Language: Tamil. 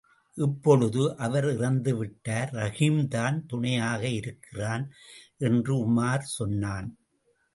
இப்பொழுது அவர் இறந்துவிட்டார், ரஹீம்தான் துணையாக இருக்கிறான், என்று உமார் சொன்னான்.